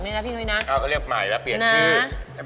ก็เรียกหมายแล้วเปลี่ยนชื่อ